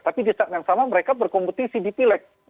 tapi di saat yang sama mereka berkompetisi di pileg